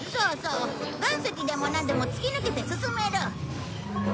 岩石でもなんでも突き抜けて進める。